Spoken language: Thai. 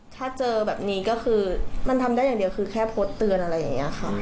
ถ้าเจอแบบนี้ก็คือมันทำได้อย่างเดียวคือแค่โพสต์เตือนอะไรอย่างนี้ค่ะ